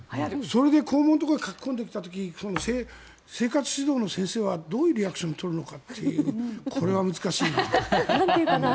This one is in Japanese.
それで校門の時に駆け込んできた時に生活指導の先生はどういうリアクションを取るのかってこれは難しいな。